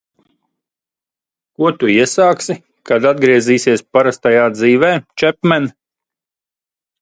Ko tu iesāksi, kad atgriezīsies parastajā dzīvē, Čepmen?